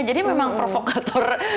jadi memang provokator